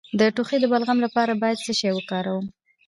د ټوخي د بلغم لپاره باید څه شی وکاروم؟